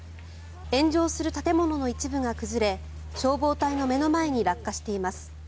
炎上する建物の一部が崩れ消防隊の目の前に落下しています。